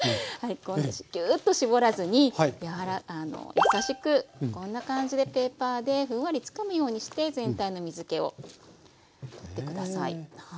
ギューッと絞らずに優しくこんな感じでペーパーでふんわりつかむようにして全体の水けを取って下さい。